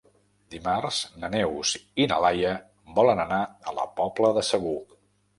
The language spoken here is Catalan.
Dimarts na Neus i na Laia volen anar a la Pobla de Segur.